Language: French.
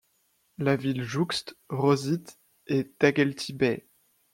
La ville jouxte Rosyth et Dagelty Bay.